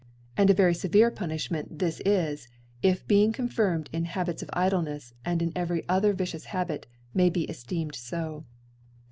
And a very fevefe Punilhment this is, if being confirmed in Habits of Idlenefs, and in every other vi* dous Habit, may be cfteemcd fo.